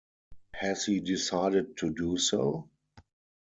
Has he decided to do so?